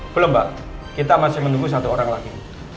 belum mbak kita masih menunggu satu orang lagi